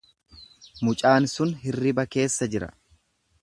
Mucaan sun hirriba keessa jira.